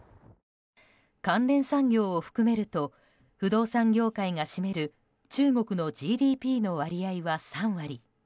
関連産業を含めると不動産業界が占める中国のＧＤＰの割合は３割。